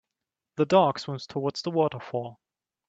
The dog swims towards a waterfall.